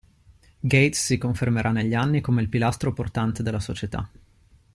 Gates si confermerà negli anni come il pilastro portante della società.